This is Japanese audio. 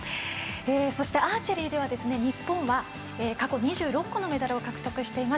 そして、アーチェリーでは日本は過去２６個のメダルを獲得しています。